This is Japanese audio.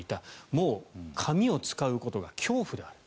もう紙を使うことが恐怖である。